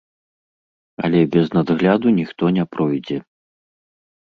Але без надгляду ніхто не пройдзе.